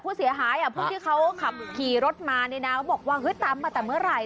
พูดเสียหายพวกที่เขาขับขี่รถมาบอกว่าตามมาตั้งแต่เมื่อไหร่